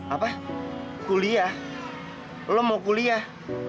apa kuliah lo mau kuliah